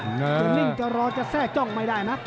จะนิ่งจะรอจะแทร่จ้องไม่ได้นะ